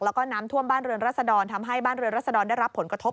แล้วก็น้ำท่วมบ้านเรือนรัศดรทำให้บ้านเรือนรัศดรได้รับผลกระทบ